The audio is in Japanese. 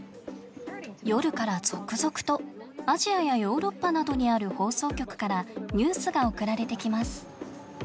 夜から続々とアジアやヨーロッパなどにある放送局からニュースが送られてきます。